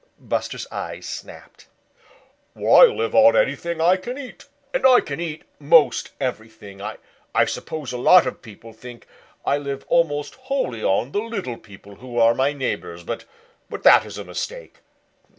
Buster's eyes snapped. "I live on anything I can eat, and I can eat most everything. I suppose a lot of people think I live almost wholly on the little people who are my neighbors, but that is a mistake.